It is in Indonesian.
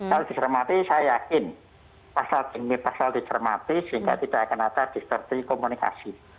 kalau disermati saya yakin pasal ini pasal disermati sehingga tidak akan ada distorsi komunikasi